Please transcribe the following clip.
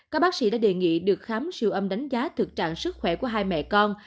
các bác sĩ đã đề nghị được khám siêu âm đánh giá thực trạng sức khỏe của hai mẹ con